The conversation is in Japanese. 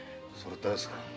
誰ですか？